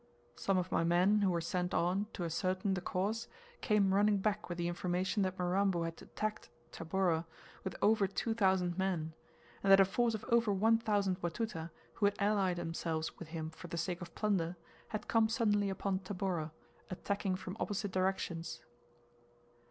Some of my men who were sent on to ascertain the cause came running back with the information that Mirambo had attacked Tabora with over two thousand men, and that a force of over one thousand Watuta, who had allied themselves with him for the sake of plunder, had come suddenly upon Tabora, attacking from opposite directions.